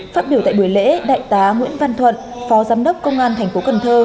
phát biểu tại buổi lễ đại tá nguyễn văn thuận phó giám đốc công an tp cn